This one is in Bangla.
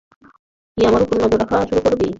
কি, আমার উপর নজর রাখা শুরু করবি?